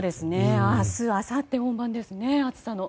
明日あさってが本番ですね、暑さの。